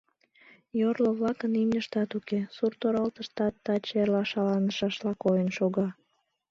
Йорло-влакын имньыштат уке, сурт-оралтыштат таче-эрла шаланышашла койын шога.